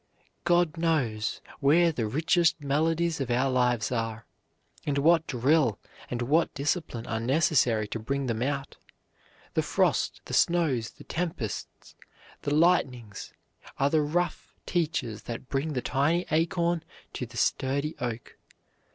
God knows where the richest melodies of our lives are, and what drill and what discipline are necessary to bring them out. The frost, the snows, the tempests, the lightnings are the rough teachers that bring the tiny acorn to the sturdy oak.